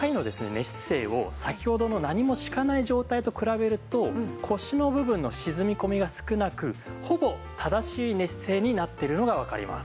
寝姿勢を先ほどの何も敷かない状態と比べると腰の部分の沈み込みが少なくほぼ正しい寝姿勢になってるのがわかります。